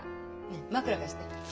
ねえ枕貸して。